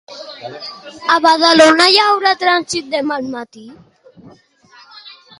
A Badalona hi haurà trànsit demà al matí?